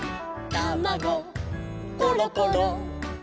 「たまごころころ」